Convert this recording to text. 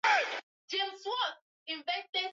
Mara nyingi huathiri wanyama wachache kwenye kundi